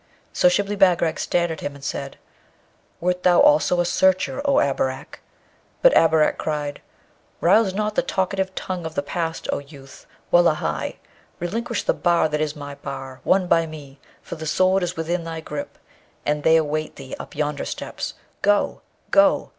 So Shibli Bagarag stared at him, and said, 'Wert thou also a searcher, O Abarak?' But Abarak cried, 'Rouse not the talkative tongue of the past, O youth! Wullahy! relinquish the bar that is my bar, won by me, for the Sword is within thy grip, and they await thee up yonder steps. Go! go!